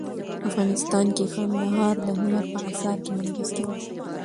افغانستان کې کندهار د هنر په اثار کې منعکس کېږي.